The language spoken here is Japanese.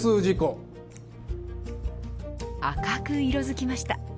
赤く色づきました